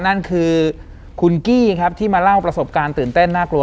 นั่นคือคุณกี้ครับที่มาเล่าประสบการณ์ตื่นเต้นน่ากลัว